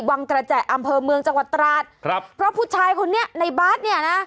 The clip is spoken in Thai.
วังกระแจอำเภอเมืองจังหวัดตราดครับเพราะผู้ชายคนนี้ในบาสเนี่ยนะ